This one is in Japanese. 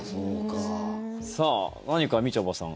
さあ、何かみちょぱさん